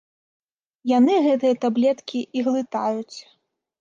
Яны гэтыя таблеткі і глытаюць.